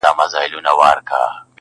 ځينې خلک د پېښې په اړه دعاوې کوي خاموش,